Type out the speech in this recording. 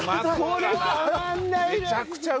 これたまんないね！